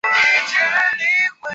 罗什勒佩鲁人口变化图示